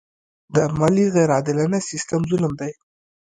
د مالیې غیر عادلانه سیستم ظلم دی.